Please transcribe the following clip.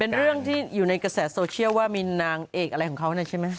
เป็นเรื่องที่อยู่ในกระแสโซเชียลว่ามีนางเอกอะไรของเขาเนี่ยใช่ไหม